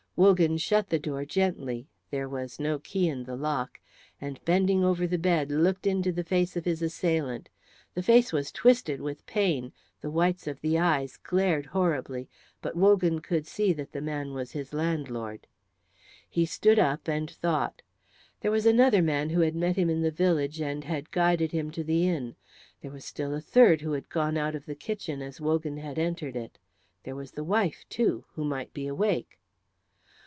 Wogan shut the door gently there was no key in the lock and bending over the bed looked into the face of his assailant. The face was twisted with pain, the whites of the eyes glared horribly, but Wogan could see that the man was his landlord. He stood up and thought. There was another man who had met him in the village and had guided him to the inn; there was still a third who had gone out of the kitchen as Wogan had entered it; there was the wife, too, who might be awake.